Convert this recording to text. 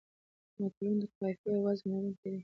متلونه د قافیې او وزن لرونکي دي